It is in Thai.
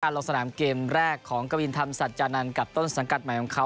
ลงสนามเกมแรกของกวินธรรมสัจจานันทร์กับต้นสังกัดใหม่ของเขา